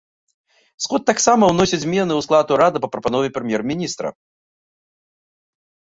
Сход таксама ўносіць змены ў склад урада па прапанове прэм'ер-міністра.